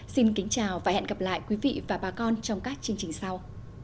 xin kính chào và hẹn gặp lại quý vị và bà con trong các chương trình sau